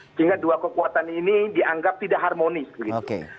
sehingga dua kekuatan ini dianggap tidak harmonis begitu